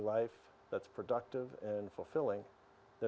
jika kita menjaga kehidupan yang menyenangkan